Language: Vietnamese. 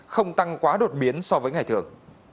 không tăng quá đột biến so với ngày thường